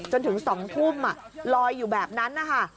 หล่อยอยู่แบบนั้นนะคะ